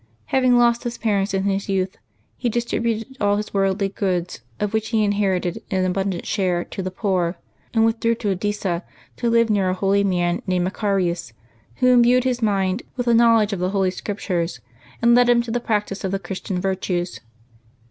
Having lost his parents in his youth, he distributed all his worldly goods^ of which he inherited an abundant share, to the poor, and withdrew to Edessa, to live near a holy man named Macarius, who imbued his mind with a knowl edge of the Holy Scriptures, and led him to the practice of the Christian virtues.